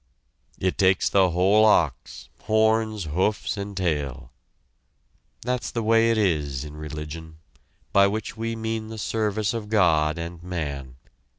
It takes the whole ox, horns, hoofs and tail. That's the way it is in religion by which we mean the service of God and man.